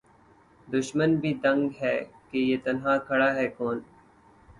دُشمن بھی دنگ ہے کہ یہ تنہا کھڑا ہے کون